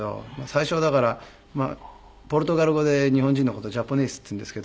最初はだからポルトガル語で日本人の事をジャポネースって言うんですけど。